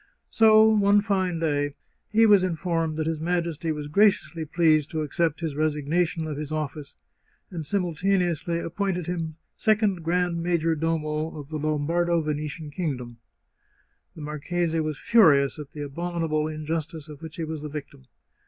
So, one fine day, he was informed that his Majesty was graciously pleased to accept his resigna tion of his office, and simultaneously appointed him sec ond grand major domo of the Lombardo Venetian King dom. The marchese was furious at the abominable injustice of which he was the victim.